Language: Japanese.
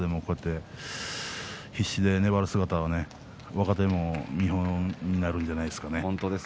必死で粘る姿は若手の見本になるんじゃないですかね。